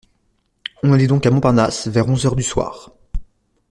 On allait donc à Montparnasse vers onze heures du soir.